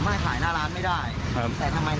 มันก็เลยกลายเป็นว่าเหมือนกับยกพวกมาตีกัน